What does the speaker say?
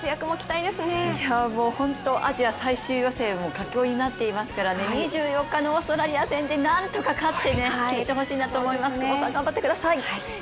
もう本当にアジア最終予選も佳境になっていますから、２４日のオーストラリア戦で何とか勝って決めてほしいなと思いますね。